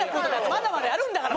まだまだやるんだから！